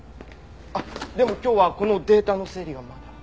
あっでも今日はこのデータの整理がまだ。